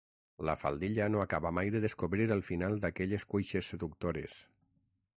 La faldilla no acaba mai de descobrir el final d'aquelles cuixes seductores.